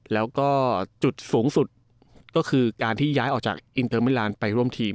แล้วก็จุดสูงสุดก็คือการที่ย้ายออกจากอินเตอร์มิลานไปร่วมทีม